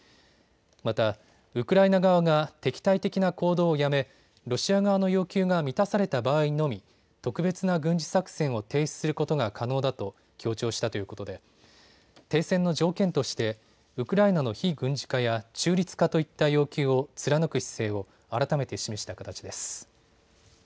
また、ウクライナ側が敵対的な行動をやめロシア側の要求が満たされた場合にのみ特別な軍事作戦を停止することが可能だと強調したということで停戦の条件としてウクライナの非軍事化や中立化といった要求を貫く姿勢を改めて示した形です。